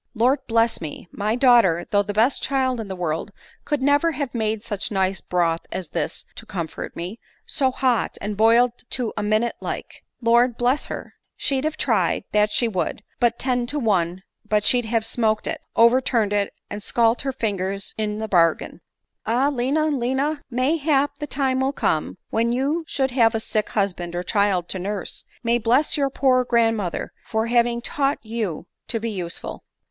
Lord bless me ! my daughter, though the best child in the world, could never have made such nice broth as this to comfort me ; so hot, and boiled to a minute like ! Lord bless her ! she'd have tried, that she would, but ten to one but she'd have smoked it, over turned it, and scalt her fingers into the bargain. Ah, Lina, Lina ! mayhap the time will come, when you, should you have a sick husband or child to nurse, may bless your poor grandmother for having taught you to be useful."